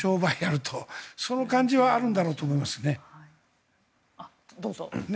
その感じはあるんだろうと思いますね。